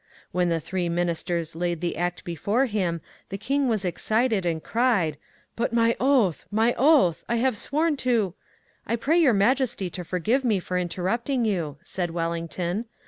When the three ministers hud the act before him the king was excited, and cried, ^* Bat my oath I my oath ! I have sworn to —"^' I pray your majesty to forgive me for interrupting you," said Wellington.